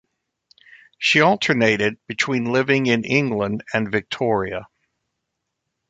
She alternated between living in England and Victoria.